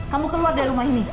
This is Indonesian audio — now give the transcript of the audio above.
kamu keluar dari rumah ini